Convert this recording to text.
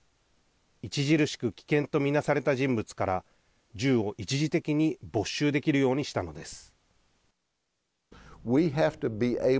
著しく危険と見なされた人物から銃を一時的に没収できるようにしたのです。